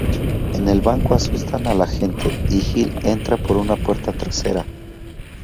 En el banco asustan a la gente y Hill entra por una puerta trasera.